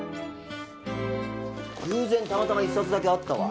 偶然たまたま一冊だけあったわ。